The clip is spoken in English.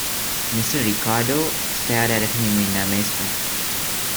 Mr. Ricardo stared at him in amazement.